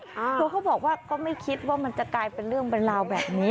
คือเขาบอกว่าก็ไม่คิดว่ามันจะกลายเป็นเรื่องเป็นราวแบบนี้